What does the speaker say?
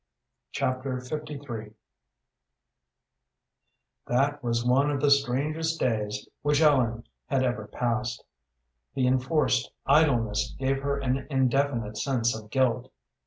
Chapter LIII That was one of the strangest days which Ellen had ever passed. The enforced idleness gave her an indefinite sense of guilt.